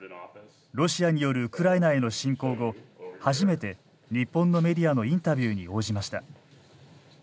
ロシアによるウクライナへの侵攻後初めて日本のメディアのインタビューに応じました。